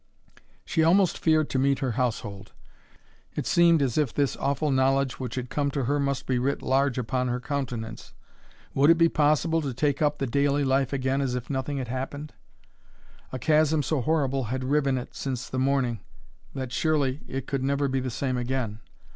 She almost feared to meet her household; it seemed as if this awful knowledge which had come to her must be writ large upon her countenance. Would it be possible to take up the daily life again as if nothing had happened? A chasm so horrible had riven it, since the morning, that surely it could never be the same again.